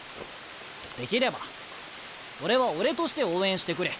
できれば俺は俺として応援してくれ。